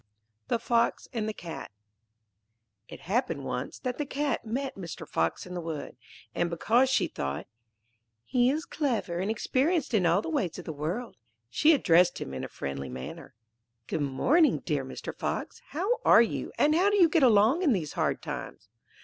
The Fox and the Cat It happened once that the Cat met Mr. Fox in the wood, and because she thought: 'He is clever and experienced in all the ways of the world,' she addressed him in a friendly manner. 'Good morning, dear Mr. Fox! how are you and how do you get along in these hard times?'